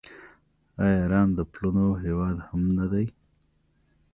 آیا ایران د پلونو هیواد هم نه دی؟